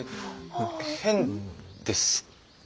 変ですかね。